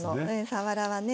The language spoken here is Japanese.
さわらはね